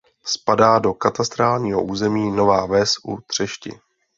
Spadá do katastrálního území Nová Ves u Třešti.